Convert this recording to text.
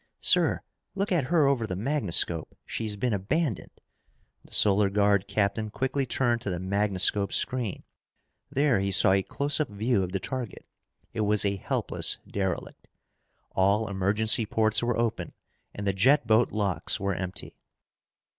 "Sir, look at her over the magnascope! She's been abandoned!" The Solar Guard captain quickly turned to the magnascope screen. There he saw a close up view of the target. It was a helpless derelict. All emergency ports were open and the jet boat locks were empty.